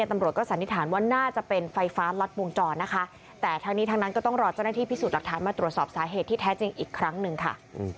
ตำรวจก็สันนิษฐานว่าน่าจะเป็นไฟฟ้าลดปวงจรนะคะ